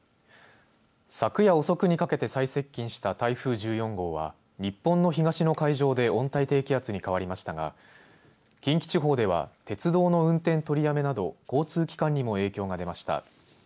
昨夜遅くにかけて最接近した台風１４号は日本の東の海上で温帯低気圧に変わりましたが近畿地方では鉄道の運転取りやめなど交通機関にも影響が出ました。